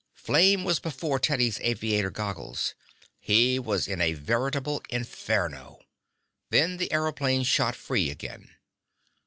Flame was before Teddy's aviator's goggles. He was in a veritable inferno. Then the aëroplane shot free again.